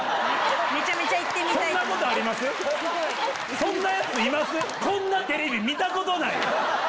そんなヤツいます